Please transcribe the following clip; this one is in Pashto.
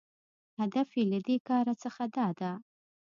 هدف یې له دې کاره څخه داده